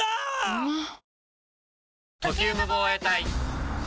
うまっ！！